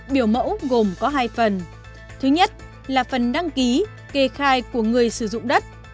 biểu mẫu gồm có hai phần thứ nhất là phần đăng ký kê khai của người sử dụng đất